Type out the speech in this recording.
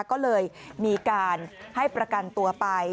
ก็เลยมีการให้ประกันตัวไป